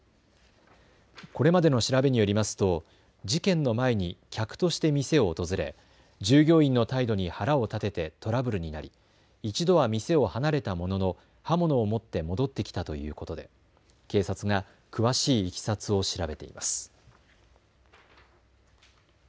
これまでの調べによりますと事件の前に客として店を訪れ従業員の態度に腹を立ててトラブルになり一度は店を離れたものの刃物を持って戻ってきたということで警察が詳しいいきさつを調べています。